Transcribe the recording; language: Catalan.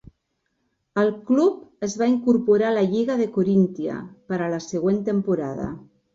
El club es va incorporar a la Lliga de Corintia per a la següent temporada.